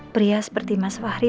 pria seperti mas fahri